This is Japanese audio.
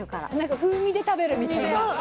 風味で食べるみたいな？